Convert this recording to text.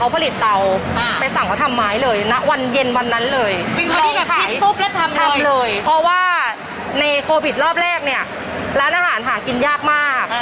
เพราะว่าในโควิดรอบแรกเนี่ยร้านอาหารหากินยากมาก